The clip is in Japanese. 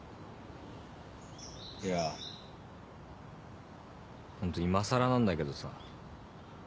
いやホント今更なんだけどさ